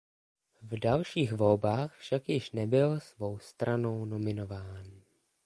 V dalších volbách však již nebyl svou stranou nominován.